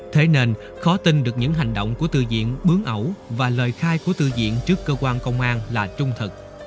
thế nên khó tin được những hành động của tư diện bướng ẩu và lời khai của tư diện trước cơ quan công an là trung thực